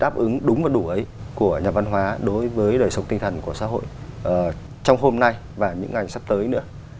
đáp ứng đúng và đủ ấy của nhà văn hóa đối với đời sống tinh thần của xã hội trong hôm nay và những ngày sắp tới nữa